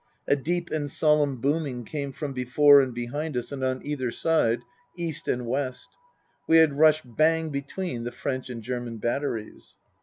A deep and solertm booming came from before and behind us and on either side, east and west. We had rushed bang between the French and German batteries.